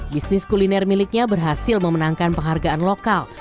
bisnis kuliner miliknya berhasil memenangkan penghargaan lokal